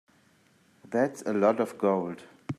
That's a lot of gold.